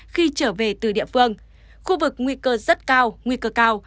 khi trở về từ địa phương khu vực nguy cơ rất cao nguy cơ cao